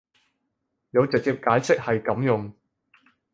有直接解釋係噉用